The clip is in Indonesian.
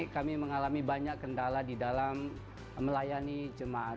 kami mengalami banyak kendala di dalam melayani jemaat